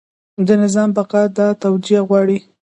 د نظام بقا دا توجیه غواړي.